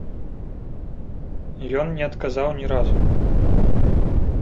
Ён не адказаў ні разу.